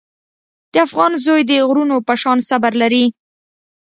د افغان زوی د غرونو په شان صبر لري.